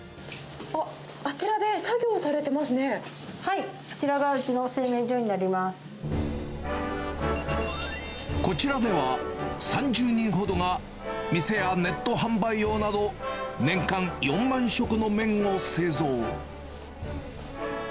あっ、はい、こちらでは、３０人ほどが店やネット販売用など、年間４万食の麺を製造。